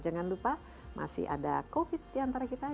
jangan lupa masih ada covid diantara kita